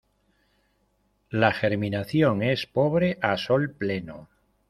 La germinación es pobre a sol pleno.